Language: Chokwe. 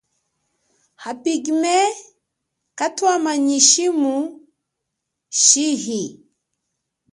A Pygmees kathwama nyi shimu chihi.